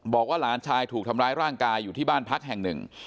บอกว่าหลานชายถูกทำร้ายร่างกายอยู่ที่บ้านพักแห่งหนึ่ง